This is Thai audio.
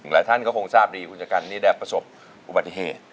หลายท่านก็คงทราบดีคุณชะกันนี่ได้ประสบอุบัติเหตุ